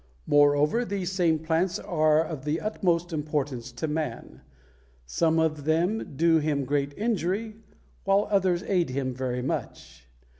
Moreover, these same plants are of the utmost importance to man. Some of them do him great injury, while others aid him very much.